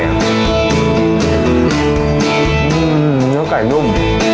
อืมเนื้อกไก่นุ่ม